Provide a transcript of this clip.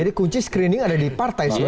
jadi kunci screening ada di partai sebenarnya